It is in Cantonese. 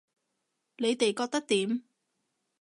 你哋覺得點